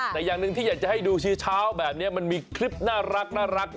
แต่อย่างหนึ่งที่อยากจะให้ดูเช้าแบบนี้มันมีคลิปน่ารัก